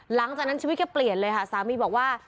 หลังจากนั้นชีวิตก็เปลี่ยนเลยค่ะสามีบอกว่า